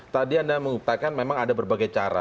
tadi anda menguptakan memang ada berbagai cara